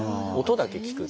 音だけ聞く。